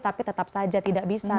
tapi tetap saja tidak bisa